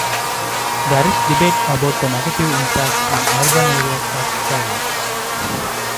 There is debate about the negative impact on urban areas of skyways.